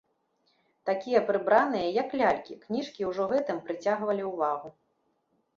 Такія прыбраныя, як лялькі, кніжкі ўжо гэтым прыцягвалі ўвагу.